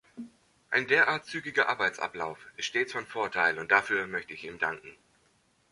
Ein derart zügiger Arbeitsablauf ist stets von Vorteil, und dafür möchte ich ihm danken.